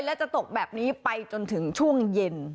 และจะตกแบบนี้ไปจนถึงช่วงเย็น